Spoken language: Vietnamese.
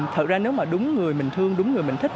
thật ra nếu mà đúng người mình thương đúng người mình thích